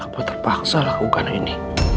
apa terpaksa lakukan ini